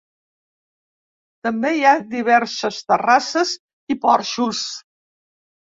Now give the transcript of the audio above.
També hi ha diverses terrasses i porxos.